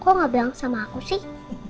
kamu mau ngobrol sama aku sih